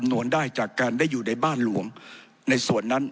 ผมจะขออนุญาตให้ท่านอาจารย์วิทยุซึ่งรู้เรื่องกฎหมายดีเป็นผู้ชี้แจงนะครับ